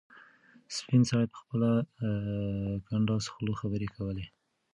سپین سرې په خپله کنډاسه خوله خبرې کولې.